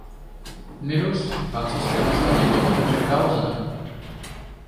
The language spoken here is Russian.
Мюлуз — французское название города Мюльгаузена.